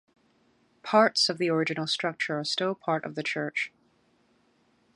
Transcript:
Parts of the original structure are still part of the church.